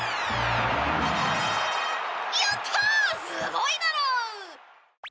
すごいだろう！